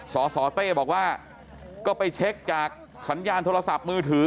สสเต้บอกว่าก็ไปเช็คจากสัญญาณโทรศัพท์มือถือ